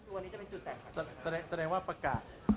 วันนี้จะเป็นจุดแตกขัดตรงนี้